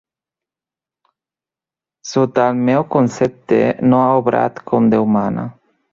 Sota el meu concepte no ha obrat com Déu mana.